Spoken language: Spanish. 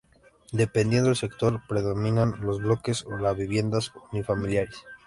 Dependiendo del sector, predominan los bloques o las viviendas unifamiliares.